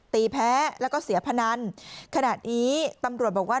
แพ้แล้วก็เสียพนันขณะนี้ตำรวจบอกว่า